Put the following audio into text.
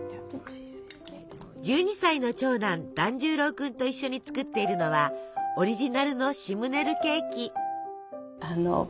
１２歳の長男團十郎くんと一緒に作っているのはオリジナルのシムネルケーキ。